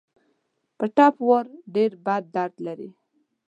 په ټپ وار ډېر بد درد لري.